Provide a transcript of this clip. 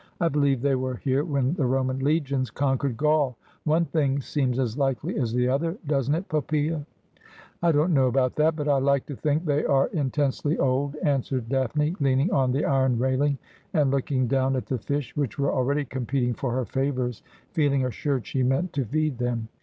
' I believe they were here when the Roman legions conquered Gaul. One thing seems as likely as the other, doesn't it, Poppjea ?'' I don't know about that : but I like to think they are in tensely old,' answered Daphne, leaning on the iron railing, and looking down at the fisb, which were already competing for her favours, feeling assured she meant to feed them.